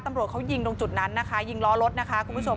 ตำรวจเขายิงตรงจุดนั้นนะคะยิงล้อรถนะคะคุณผู้ชม